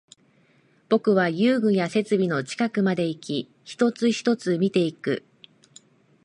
僕は遊具や設備の近くまでいき、一つ、一つ見ていく